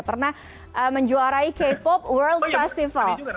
pernah menjuarai k pop world festival